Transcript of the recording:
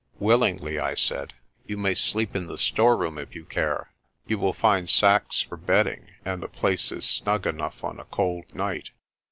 "Willingly," I said. "You may sleep in the storeroom if you care. You will find sacks for bedding and the place is snug enough on a cold night."